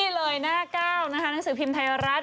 นี่เลยหน้า๙นะคะหนังสือพิมพ์ไทยรัฐ